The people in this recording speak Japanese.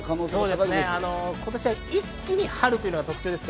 今年は一気に春というのが特徴です。